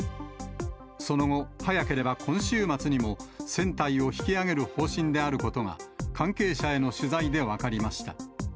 その後、早ければ今週末にも、船体を引き揚げる方針であることが、関係者への取材で分かりました。